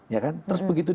ya kan terus begitu itu